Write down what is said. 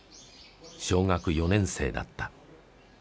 小学４年生だった。